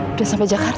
udah sampai jakarta